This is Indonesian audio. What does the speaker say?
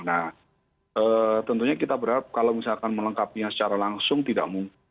nah tentunya kita berharap kalau misalkan melengkapinya secara langsung tidak mungkin